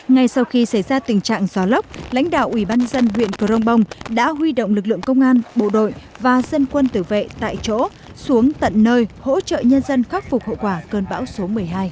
ngay sau khi xảy ra tình trạng gió lốc lãnh đạo ủy ban dân huyện crong bông đã huy động lực lượng công an bộ đội và dân quân tử vệ tại chỗ xuống tận nơi hỗ trợ nhân dân khắc phục hậu quả cơn bão số một mươi hai